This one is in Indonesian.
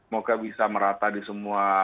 semoga bisa merata di semua